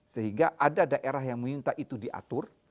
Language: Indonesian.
sehingga ada daerah yang meminta itu diatur